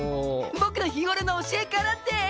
僕の日頃の教えからです！